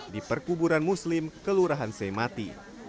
di perkuburan muslim kelurahan semati